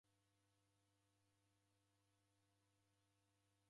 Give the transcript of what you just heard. Deka na Kiko na wanedu